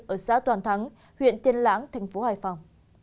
ở xã toàn thắng huyện tiên lãng tp hcm